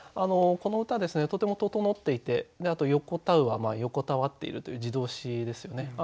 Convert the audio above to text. この歌ですねとても整っていてあと「横たふ」は横たわっているという自動詞ですよね。